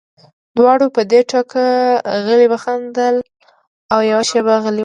دواړو په دې ټوکه غلي وخندل او یوه شېبه غلي وو